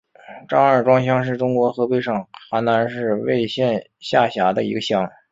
张二庄乡是中国河北省邯郸市魏县下辖的一个乡。